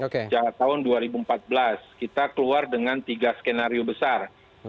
sejak tahun dua ribu empat belas kita keluar dengan tiga skenario besar